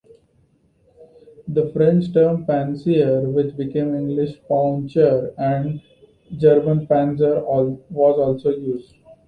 The French term "pancier", which became English "pauncher" and German "panzer", was also used.